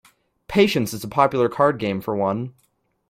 Patience is a popular card game for one